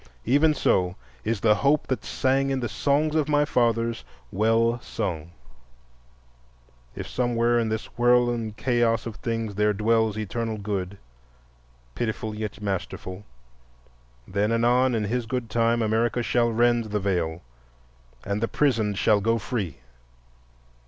Even so is the hope that sang in the songs of my fathers well sung. If somewhere in this whirl and chaos of things there dwells Eternal Good, pitiful yet masterful, then anon in His good time America shall rend the Veil and the prisoned shall go free.